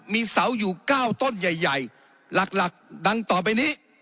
มีเสาอยู่เก้าต้นใหญ่ใหญ่หลักหลักดังต่อไปนี้